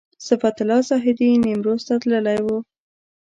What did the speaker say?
صفت الله زاهدي نیمروز ته تللی و.